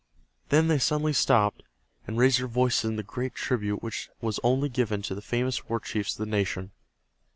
Then they suddenly stopped, and raised their voices in the great tribute which was only given to the famous war chiefs of the nation.